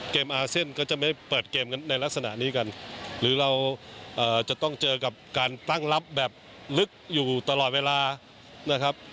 อาเซียนก็จะไม่เปิดเกมกันในลักษณะนี้กันหรือเราจะต้องเจอกับการตั้งรับแบบลึกอยู่ตลอดเวลานะครับ